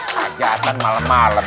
hajatan malem malem